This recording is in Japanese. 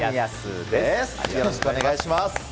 よろしくお願いします。